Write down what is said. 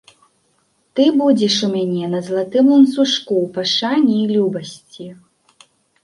Ты будзеш у мяне на залатым ланцужку ў пашане і любасці.